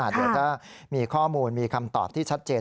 เดี๋ยวถ้ามีข้อมูลมีคำตอบที่ชัดเจน